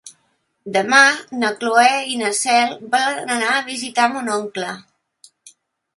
Demà na Cloè i na Cel volen anar a visitar mon oncle.